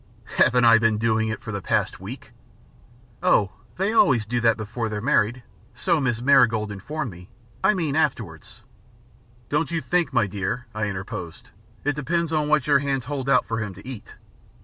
"Haven't I been doing it for the past week?" "Oh, they always do that before they're married so Mrs. Marigold informed me. I mean afterwards." "Don't you think, my dear," I interposed, "it depends on what your hands hold out for him to eat?"